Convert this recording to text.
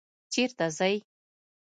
چیرته ځئ؟